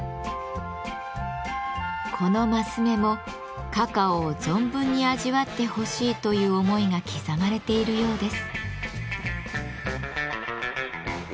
この升目もカカオを存分に味わってほしいという思いが刻まれているようです。